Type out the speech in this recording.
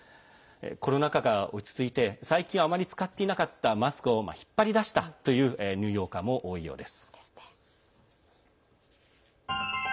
コロナ禍が落ち着いて最近、あまり使っていなかったマスクを引っ張り出したというニューヨーカーも多いようです。